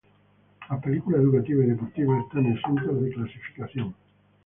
Las películas educativas y deportivas están exentas de clasificación.